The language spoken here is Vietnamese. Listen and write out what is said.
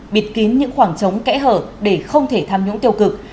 bịt kín những khoảng trống kẽ hở để không thể tham nhũng tiêu cực